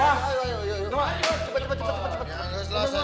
nah kalau essere